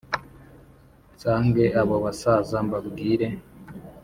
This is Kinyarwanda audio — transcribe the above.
nsange abo basaza mbabwire